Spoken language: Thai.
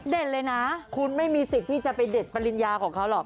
เลยนะคุณไม่มีสิทธิ์ที่จะไปเด็ดปริญญาของเขาหรอก